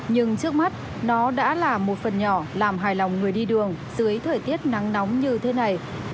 nhưng trước mắt nó đã là một phần nhỏ làm hài lòng người đi đường dưới thời tiết nắng nóng như thế này